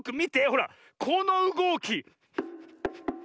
ほらこのうごき。